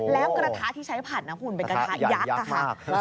แล้วกระทะที่ใช้ผัดนะคุณเป็นกระทะยักษ์ค่ะ